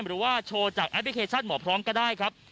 หรือว่าโชว์จากแอปพลิเคชันหมอพร้อมก็ได้ครับ